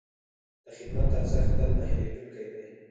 د خدمت ارزښت تل نه هېرېدونکی دی.